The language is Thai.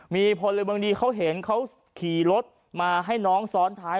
มีพลเมืองดีเขาเห็นเขาขี่รถมาให้น้องซ้อนท้าย